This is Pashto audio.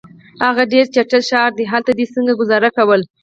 هغه ډېر چټل ښار دی، هلته دي څنګه ګذاره کول؟